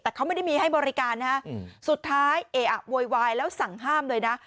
แต่เขาไม่ได้มีให้บริการนะฮะสุดท้ายเออะโวยวายแล้วสั่งห้ามเลยนะ